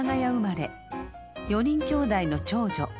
４人きょうだいの長女。